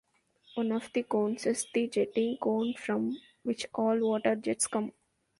One of the cones is the jetting cone from which all water jets come.